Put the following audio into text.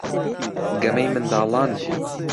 گەمەی منداڵان بوو.